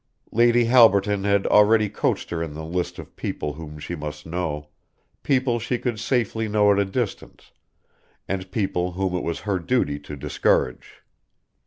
Lady Halberton had already coached her in the list of people whom she must know, people she could safely know at a distance, and people whom it was her duty to discourage.